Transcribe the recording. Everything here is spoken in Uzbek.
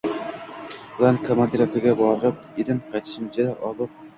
bilan komandirovkaga borib edim, qaytishimda ob-